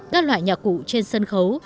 các loại nhạc cụ trên sân khấu